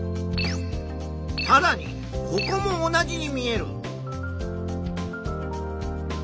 さらにここも同じに見える。